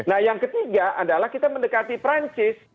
nah yang ketiga adalah kita mendekati perancis